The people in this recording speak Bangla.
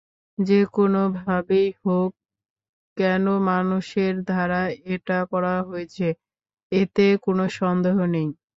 যেকোনোভাবেই হোক কোনো মানুষের দ্বারা এটা করা হয়েছে, এতে কোনো সন্দেহ নেই।